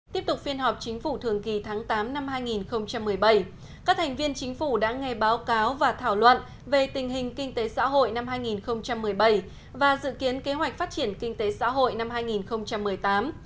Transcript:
tiếp tục phiên họp chính phủ thường kỳ tháng tám năm hai nghìn một mươi bảy các thành viên chính phủ đã nghe báo cáo và thảo luận về tình hình kinh tế xã hội năm hai nghìn một mươi bảy và dự kiến kế hoạch phát triển kinh tế xã hội năm hai nghìn một mươi tám